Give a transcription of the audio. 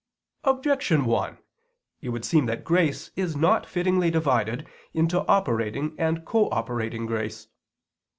Objection 1: It would seem that grace is not fittingly divided into operating and cooperating grace.